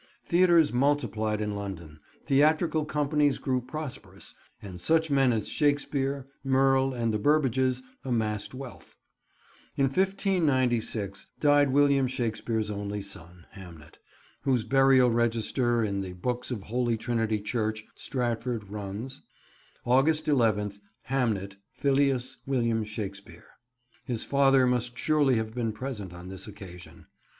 Theatres multiplied in London, theatrical companies grew prosperous, and such men as Shakespeare, Merle and the Burbages amassed wealth. In 1596 died William Shakespeare's only son, Hamnet, whose burial register in the books of Holy Trinity church, Stratford, runs— "August 11th, Hamnet, filius William Shakespeare." His father must surely have been present on this occasion.